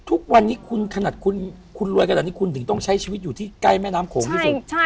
ทุกวันนี้คุณขนาดคุณรวยขนาดนี้คุณถึงต้องใช้ชีวิตอยู่ที่ใกล้แม่น้ำโขงที่สุด